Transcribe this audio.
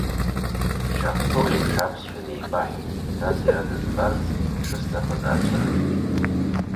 Ишахәҭоу еиԥш аԥсшәа неибаҳҳәеит, нас иара дызбарц шысҭахыз аацәырызгеит.